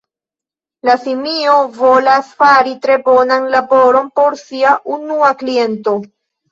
La simio volas fari tre bonan laboron por sia unua kliento.